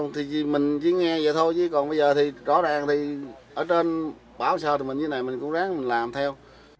thì mình chỉ nghe vậy thôi chứ còn bây giờ thì rõ ràng thì ở trên báo sơ thì mình như thế này mình cũng ráng làm theo